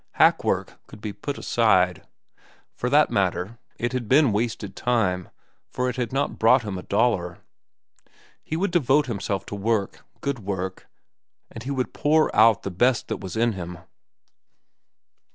Hack work could be put aside. For that matter, it had been wasted time, for it had not brought him a dollar. He would devote himself to work, good work, and he would pour out the best that was in him.